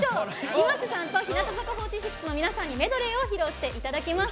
ｉｍａｓｅさんと日向坂４６の皆さんにメドレーを披露していただきます。